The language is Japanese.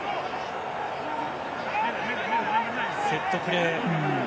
セットプレー。